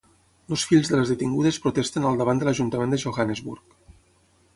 Els fills de les detingudes protesten al davant de l'ajuntament de Johannesburg.